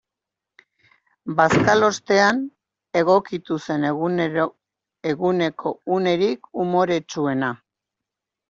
Bazkalostean egokitu zen eguneko unerik umoretsuena.